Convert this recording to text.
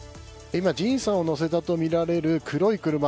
今、ＪＩＮさんを乗せたとみられる黒い車。